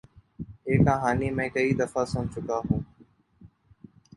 یہ کہانی میں کئی دفعہ سنا چکا ہوں۔